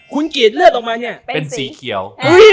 คุณกรีดเลือดออกมาเนี่ยเป็นสีเขียว